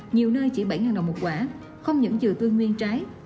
nhiều nơi chỉ bảy đồng một quả không những dừa tươi nguyên trái